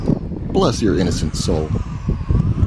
Bless your innocent soul!